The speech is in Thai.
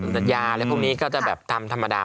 มยากลายมนิก็จะตามธรรมดา